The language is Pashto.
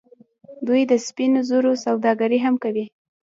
دوی د سپینو زرو سوداګري هم کوي.